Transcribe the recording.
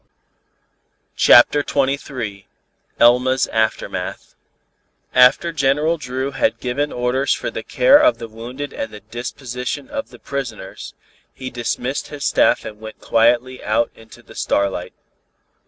CHAPTER XXIII ELMA'S AFTERMATH After General Dru had given orders for the care of the wounded and the disposition of the prisoners, he dismissed his staff and went quietly out into the starlight.